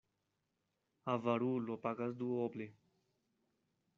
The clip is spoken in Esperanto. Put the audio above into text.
Avarulo pagas duoble.